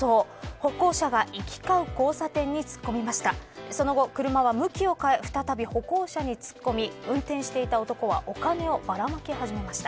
歩行者が行き交う交差点に突っ込みました。